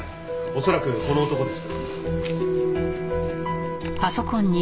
恐らくこの男です。